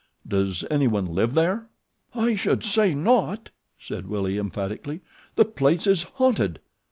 Does anyone live there?" "I should say not," said Willie emphatically; "the place is haunted."